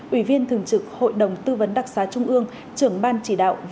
ủy viên thường trực hội đồng tư vấn đặc xá trung ương trưởng ban chỉ đạo